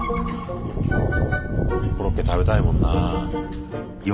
コロッケ食べたいもんなぁ。